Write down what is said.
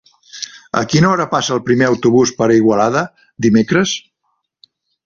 A quina hora passa el primer autobús per Igualada dimecres?